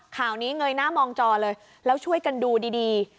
ข่าวนี้เงยหน้ามองจอเลยแล้วช่วยกันดูดี